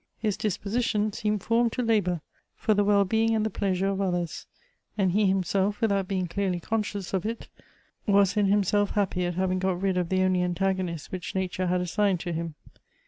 His disposition seemed formed to labor for the well being and the pleasure of others; and he himself, without being clearly conscious of it, was in himself happy at having got rid of the only antagonist which nature had assigned to him.